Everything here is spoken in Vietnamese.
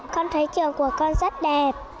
con thấy trường của con rất đẹp